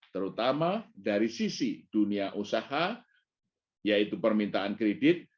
terutama dari sisi dunia usaha yaitu permintaan kredit